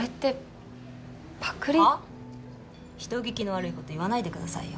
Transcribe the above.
人聞きの悪い事言わないでくださいよ。